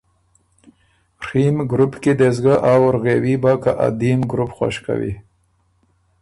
ڒیم ګروپ کی دې سُو ګۀ آ وُرغېوي بَۀ که ا دیم ګروپ خوش کوی۔